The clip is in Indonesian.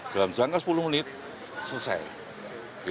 dalam jangka sepuluh menit selesai